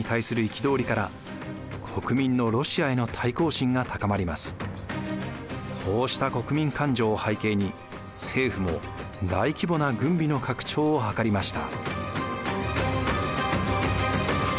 しかしこうした国民感情を背景に政府も大規模な軍備の拡張をはかりました。